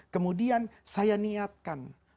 kemudian saya niatkan